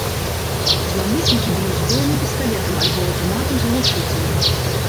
Зламыснікі былі ўзброены пісталетам альбо аўтаматам з глушыцелем.